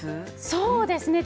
そうですね